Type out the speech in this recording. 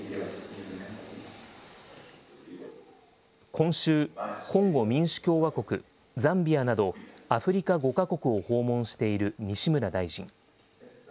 今週、コンゴ民主共和国、ザンビアなど、アフリカ５か国を訪問している西村大臣。